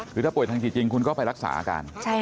คือถ้าป่วยทางจิตจริงคุณก็ไปรักษาอาการ